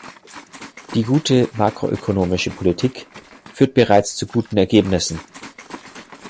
Die gute makroökonomische Politik führt bereits zu guten Ergebnissen.